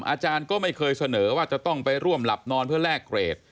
อาจารย์ก็ไม่เคยเสนอว่าจะต้องไปร่วมหลับนอนเพื่อแลกเกรด